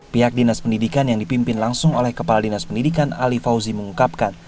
pihak dinas pendidikan yang dipimpin langsung oleh kepala dinas pendidikan ali fauzi mengungkapkan